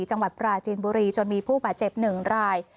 จังหวัดปราจีนบุรีจนมีผู้บาดเจ็บ๑ราย